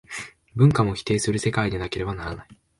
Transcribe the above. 文化をも否定する世界でなければならない。